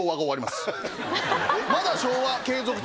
まだ昭和継続中です。